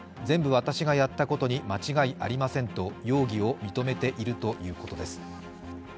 全部、私がやったことに間違いありませんと容疑を認めているということです。